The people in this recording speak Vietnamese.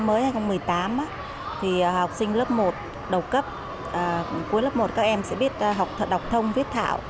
trong năm mới hai nghìn một mươi tám học sinh lớp một đầu cấp cuối lớp một các em sẽ biết học thật đọc thông viết thảo